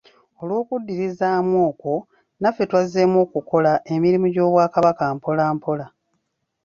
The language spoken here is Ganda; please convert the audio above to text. Olw'okuddirizaamu okwo, naffe twazzeemu okukola emirimu gy'obwakabaka mpola mpola.